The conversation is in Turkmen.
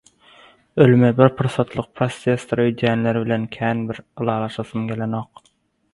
Ölüme bir pursatlyk prosesdir öýdýänler bilen kän bir ylalaşasym gelenok.